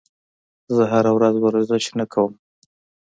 زه هره ورځ ورزش نه کوم.